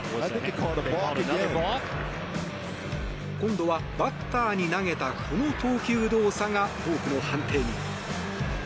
今度はバッターに投げたこの投球動作がボークの判定に。